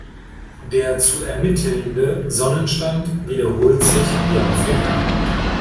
Der zu ermittelnde Sonnenstand wiederholt sich Jahr für Jahr.